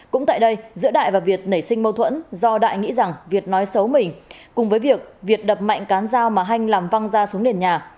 cũng tại đây giữa đại và việt nảy sinh mâu thuẫn do đại nghĩ rằng việt nói xấu mình cùng với việc việt đập mạnh cán dao mà hanh làm văng ra xuống nền nhà